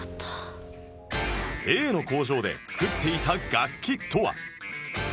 Ａ の工場で作っていた楽器とは